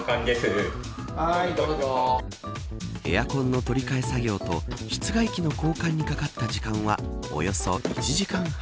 エアコンの取り替え作業と室外機の交換にかかった時間はおよそ１時間半。